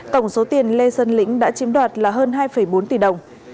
tổng số tiền lê xuân lĩnh đã chiếm đoạt là hơn hai bốn tỷ đồng